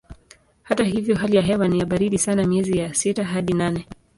Hata hivyo hali ya hewa ni ya baridi sana miezi ya sita hadi nane.